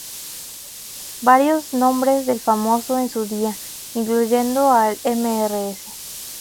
Varios nombres del famoso en su día, incluyendo la 'Mrs.